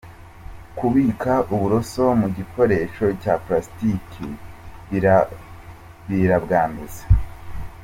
Kubika uburoso mu gikoresho cya plastique birabwanduza .